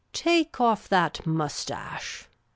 " Take off that moustache